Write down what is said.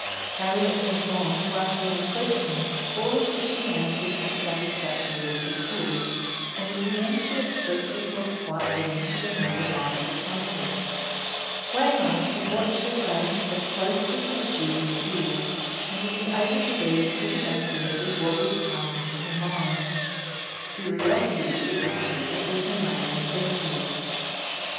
Harriet went on to ask many questions, all of which he answered as satisfactorily as he could, and in the end she expressed herself quite willing to renew Ida's acquaintance. Waymark had watched her face as closely as she did his, and he was able to read pretty accurately what was passing in her mind. Curiosity, it was clear, was her main incentive.